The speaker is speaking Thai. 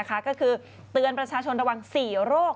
ก็คือเตือนประชาชนระวัง๔โรค